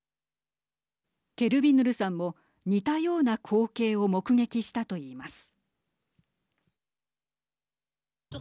ケルビヌルさんも似たような光景を目撃したといいます。